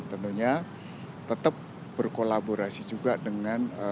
tentunya tetap berkolaborasi juga dengan